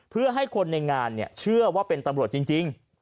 เพื่อให้คนในงานเชื่อว่าเป็นตำรวจจริง